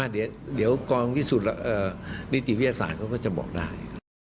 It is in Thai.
เดี๋ยวกองพิสูจน์นิติวิทยาศาสตร์เขาก็จะบอกได้